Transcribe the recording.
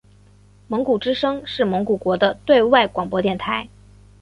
蒙古之声是蒙古国的对外广播电台。